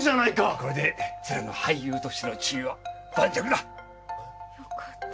これで瀬那の俳優としての地位は盤石だ！よかった。